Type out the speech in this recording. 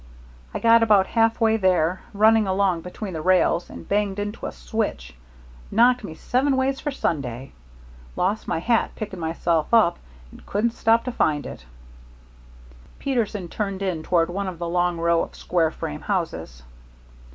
I got about halfway there running along between the rails and banged into a switch knocked me seven ways for Sunday. Lost my hat picking myself up, and couldn't stop to find it." Peterson turned in toward one of a long row of square frame houses.